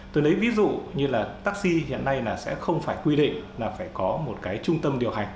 tôi lấy ví dụ như là taxi hiện nay là sẽ không phải quy định là phải có một cái trung tâm điều hành